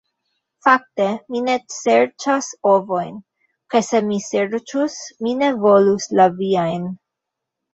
"Fakte, mi ne serĉas ovojn; kaj se mi serĉus, mi ne volus la viajn.